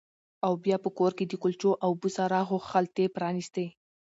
او بیا په کور کې د کلچو او بوسراغو خلطې پرانیستې